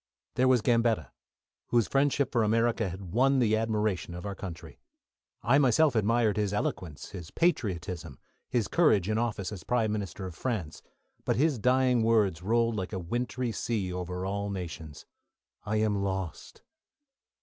There was Gambetta, whose friendship for America had won the admiration of our country. I myself admired his eloquence, his patriotism, his courage in office as Prime Minister of France; but his dying words rolled like a wintry sea over all nations, "I am lost!"